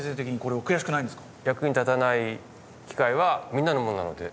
役に立たない機械はみんなのものなので。